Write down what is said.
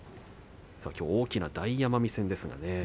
きょうは大きな大奄美戦です。